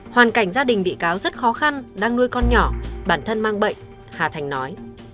hoàn cảnh gia đình bị cáo rất khó khăn đang nuôi con nhỏ bản thân mang bệnh hà thành nói